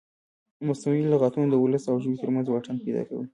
مصنوعي لغتونه د ولس او ژبې ترمنځ واټن پیدا کوي.